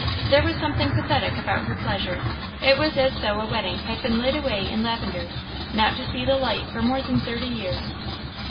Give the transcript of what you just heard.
There was something pathetic about her pleasure; it was as though a wedding had been laid away in lavender, not to see the light for more than thirty years.